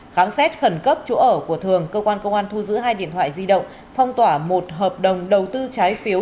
khám xét khẩn cấp chỗ ở của thường cơ quan công an thu giữ hai điện thoại di động phong tỏa một hợp đồng đầu tư trái phiếu